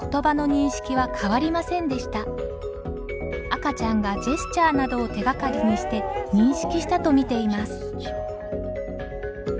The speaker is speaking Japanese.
赤ちゃんがジェスチャーなどを手がかりにして認識したと見ています。